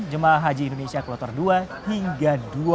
jemaah haji indonesia ke loter dua hingga dua puluh dua